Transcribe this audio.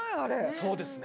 そうですね。